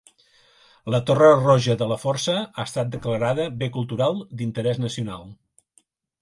La Torre Roja de la Força ha estat declarada Bé Cultural d'Interès Nacional.